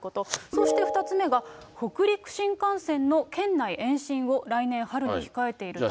そして、２つ目が北陸新幹線の県内延伸を来年春に控えているため。